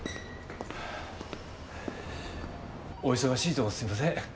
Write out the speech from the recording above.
お忙しいとこすいません。